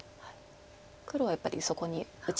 黒はやっぱりそこに打ちたいです。